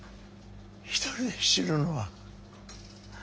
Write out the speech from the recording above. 一人で死ぬのは。